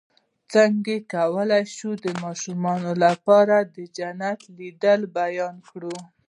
څنګه کولی شم د ماشومانو لپاره د جنت د لیدلو بیان کړم